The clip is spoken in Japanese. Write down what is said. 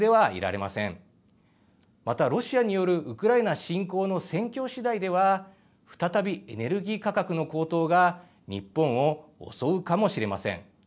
またロシアによるウクライナ侵攻の戦況しだいでは、再びエネルギー価格の高騰が日本を襲うかもしれません。